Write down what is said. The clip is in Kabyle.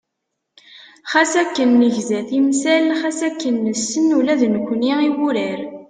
Xas akken negza timsal, xas akken nessen ula d nekkni i wurar.